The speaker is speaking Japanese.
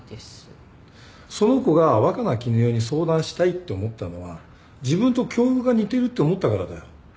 その子が若菜絹代に相談したいって思ったのは自分と境遇が似てるって思ったからだよ。